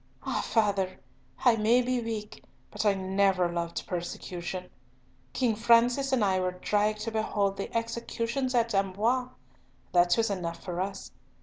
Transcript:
"Ah, father! I may be weak, but I never loved persecution. King Francis and I were dragged to behold the executions at Amboise. That was enough for us.